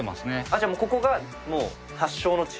じゃあもうここがもう発祥の地？